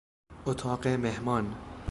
اتاق مهمان